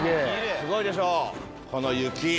すごいでしょこの雪。